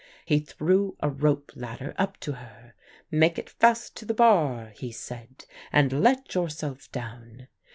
"He threw a rope ladder up to her. 'Make it fast to the bar,' he said, 'and let yourself down.